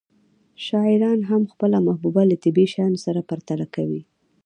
شاعران هم خپله محبوبه له طبیعي شیانو سره پرتله کوي